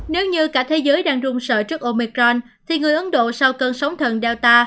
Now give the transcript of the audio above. nếu như cả thế giới đang rung sợ trước omicron thì người ấn độ sau cơn sóng thần dowta